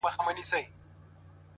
• د سهار باده تازه نسیمه ,